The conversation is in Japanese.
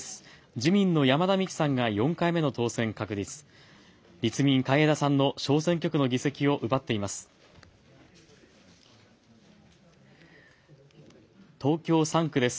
自民の山田美樹さんが４回目の当選確実、立民、海江田さんの小選挙区の議席を奪っています。